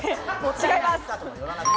違います。